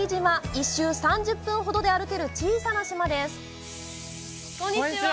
１周３０分程で歩ける小さな島です。